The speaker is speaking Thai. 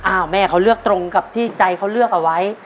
แม่เขาเลือกตรงกับที่ใจเขาเลือกเอาไว้